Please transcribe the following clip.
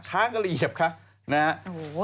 ช้างก็เหยียบค่ะนะฮะ